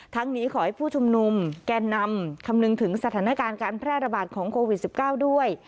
นี้ขอให้ผู้ชุมนุมแก่นำคำนึงถึงสถานการณ์การแพร่ระบาดของโควิด๑๙ด้วย